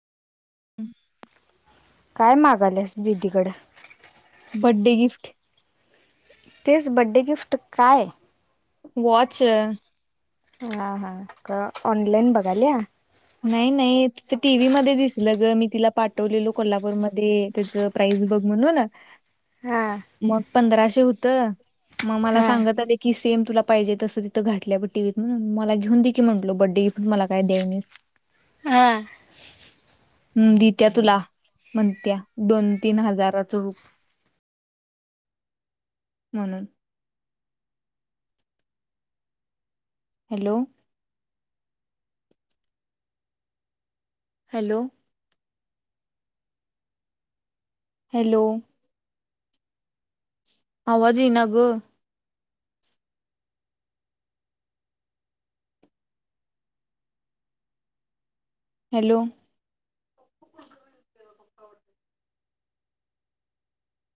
हम्. काय मागालस बदीकडे बर््डे गिफ्ट तेच बड्डे गिफ्ट काय? वाॉच हा हा तर ऑनलाईन बघाली या नाही नाही तर टीव्ही मध्ये दिसलं ग मी तिला पाठवलेलो कोल्हापूरमध्ये त्याच प्राईज बघ म्हण ना हा मग पंधराशे होत मग मला हा सांगतील. की से तुलाहिजे तसं तिथ घाटल्या टी्हीतणून मला घेऊन देखी म्हटलो बड्डे गिफ्टट मला काय द्याय नाहीस. हा. हम् दित्या तुला म्हणत्या दोन तीन हजाराच रुप म्हणून हॅलो. हॅलो. हॅलो. हद इ नागु हॅलो.